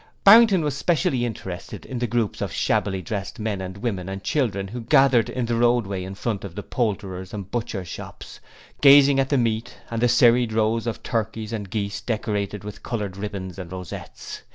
Barrington was specially interested in the groups of shabbily dressed men and women and children who gathered in the roadway in front of the poulterers' and butchers' shops, gazing at the meat and the serried rows of turkeys and geese decorated with coloured ribbons and rosettes.